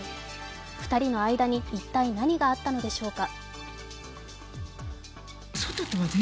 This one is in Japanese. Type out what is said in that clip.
２人の間に一体何があったのでしょうか？